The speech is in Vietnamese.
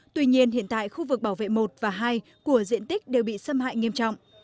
tuy nhiên hiện tại khu vực bảo vệ một và hai của diện tích đều bị xâm hại nghiêm trọng